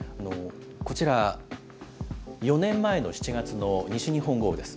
こちら、４年前の７月の西日本豪雨です。